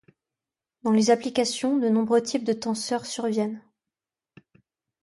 Dans les applications, de nombreux types de tenseurs surviennent.